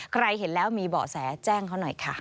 ใครเห็นแล้วมีเบาะแสแจ้งเขาหน่อยค่ะ